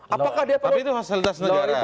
apakah dia perlu tapi itu fasilitas negara